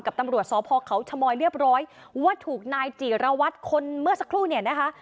ตำรวจสพเขาชมอยเรียบร้อยว่าถูกนายจีรวัตรคนเมื่อสักครู่เนี่ยนะคะ